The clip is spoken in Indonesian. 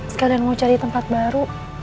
sekarang mau cari tempat baru